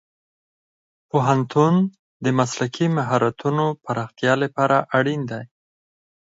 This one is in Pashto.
پوهنتون د مسلکي مهارتونو پراختیا لپاره اړین دی.